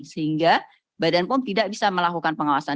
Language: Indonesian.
sehingga badan pom tidak bisa melakukan pengawasan